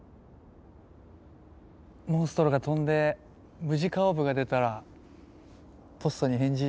モンストロが飛んでムジカオーブが出たらポッソに返事